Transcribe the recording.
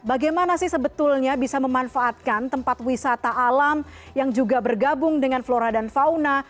bagaimana sih sebetulnya bisa memanfaatkan tempat wisata alam yang juga bergabung dengan flora dan fauna